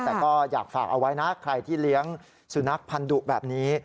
แต่ก็อยากฝากเอาไว้นะใครที่เลี้ยงสุนัขพันธุแบบนี้